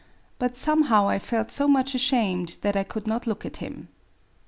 But somehow I felt so much ashamed that I could not look at him.